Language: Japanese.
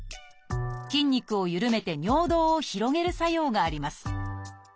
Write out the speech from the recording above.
筋肉をゆるめて尿道を広げる作用があります。